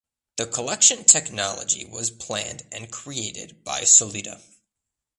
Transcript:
The collection technology was planned and created by Solita.